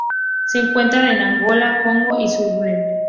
Se encuentra en Angola, Congo y Zimbabue.